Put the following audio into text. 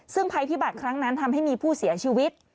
ซึ่งภัยพิบัตรครั้งนั้นทำให้มีผู้เสียชีวิต